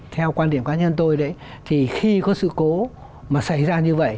theo quan điểm cá nhân tôi đấy thì khi có sự cố mà xảy ra